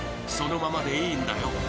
そのままでいいんだよ］